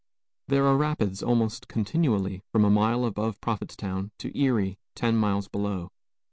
There are rapids, almost continually, from a mile above Prophetstown to Erie, ten miles below.